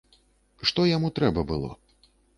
Што яму трэба было?